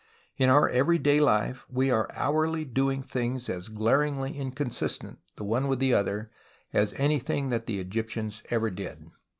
In our everyday life we are hourly doing things as glaringly inconsistent the one with the other as anything that the Egyptians ever did.